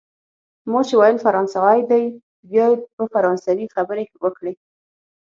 ما چي ویل فرانسوی دی، بیا یې په فرانسوي خبرې وکړې.